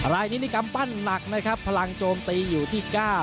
รายนี้นี่กำปั้นหนักนะครับพลังโจมตีอยู่ที่๙